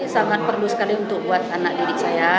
sangat perlu sekali untuk buat anak didik saya